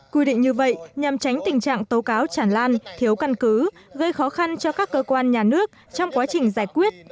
quy định như vậy nhằm tránh tình trạng tố cáo chẳng lan thiếu căn cứ gây khó khăn cho các cơ quan nhà nước trong quá trình giải quyết